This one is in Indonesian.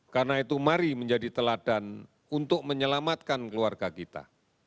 karena itu mari menjadi teladan untuk menyelamatkan keluarga kita